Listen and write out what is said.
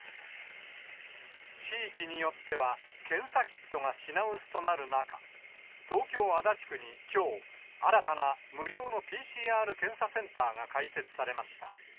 地域によっては、検査キットが品薄となる中、東京・足立区にきょう、新たな無料のＰＣＲ検査センターが開設されました。